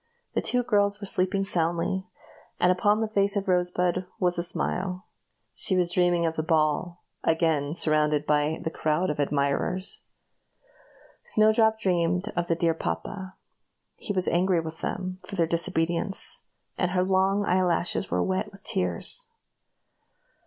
The two girls were sleeping soundly, and upon the face of Rosebud there was a smile. She was dreaming of the ball again surrounded by a crowd of admirers. Snowdrop dreamed of the dear papa; he was angry with them for their disobedience, and her long eyelashes were wet with tears.